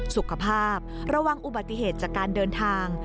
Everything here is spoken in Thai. สุขภาพระวังอุบัติเหตุจากการเดินทาง